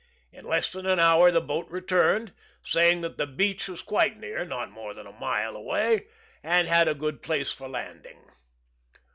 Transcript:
In less than an hour the boat returned, saying that the beach was quite near, not more than a mile away, and had a good place for landing.